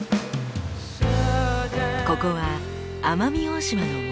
ここは奄美大島の森。